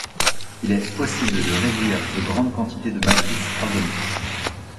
Il est possible de réduire de grande quantité de matrice organique.